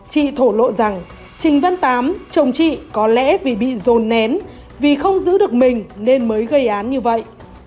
chị thổ lộ rằng trình văn tám chồng chị có lẽ vì bị dồn nén vì không giữ được mình nên mới gây án như vậy